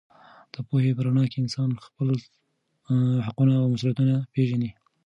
د پوهې په رڼا کې انسان خپل حقونه او مسوولیتونه پېژني.